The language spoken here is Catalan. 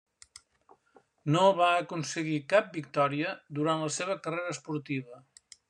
No va aconseguir cap victòria durant la seva carrera esportiva.